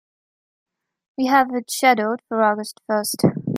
We have it scheduled for August first.